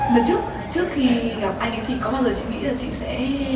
lần trước trước khi gặp anh thì có bao giờ chị nghĩ là chị sẽ